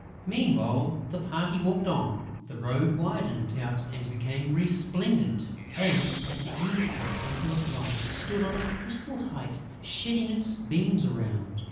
Meanwhile, the party walked on, the road widened out and became resplendent; and, at the end, the Temple of Light stood on a crystal height, shedding its beams around.